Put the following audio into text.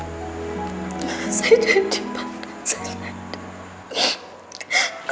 saya jadi pak